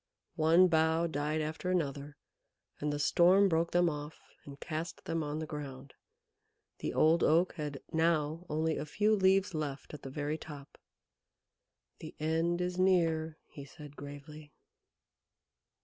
One bough died after another, and the Storm broke them off and cast them on the ground. The Old Oak had now only a few leaves left at the very top. "The end is near," he said gravely.